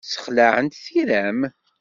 Ssexlaɛent tira-m.